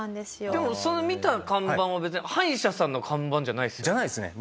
でもその見た看板は別に歯医者さんの看板じゃないですよね？